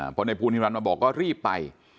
เพราะนายภูนิรันดิ์มาบอกก็รีบไป